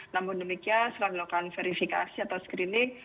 namun demikian setelah dilakukan verifikasi atau screening